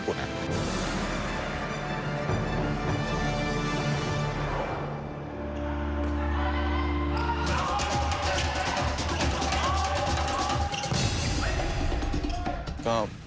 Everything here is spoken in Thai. ก็ปกติก็เป็นคนแบบ